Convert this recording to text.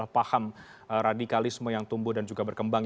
tapi soal paham radikalisme yang tumbuh dan juga berkembang